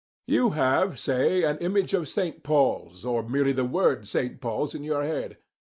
You have, say, an image of St. Paul's, or merely the word "St. Paul's" in your head.